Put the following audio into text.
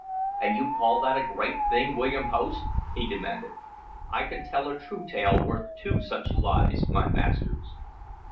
"And you call that a great thing, William Host?" he demanded. "I can tell a true tale worth two such lies, my masters.